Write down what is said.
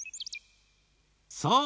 そう！